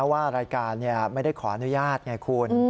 ว่ารายการไม่ได้ขออนุญาตไงคุณ